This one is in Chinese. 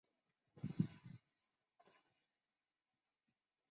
日本堤是东京都台东区的町名。